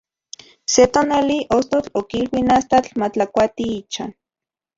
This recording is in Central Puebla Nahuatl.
Se tonali, ostotl okilui astatl matlakuati ichan.